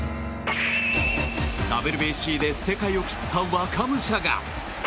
ＷＢＣで世界を切った若武者が。